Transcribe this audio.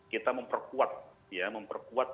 kita memperkuat ya memperkuat